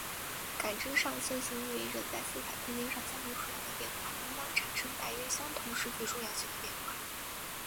感知上线性意味着在色彩空间上相同数量的变化应当产生大约相同视觉重要性的变化。